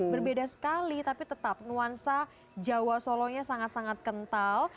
berbeda sekali tapi tetap nuansa jawa solonya sangat sangat kental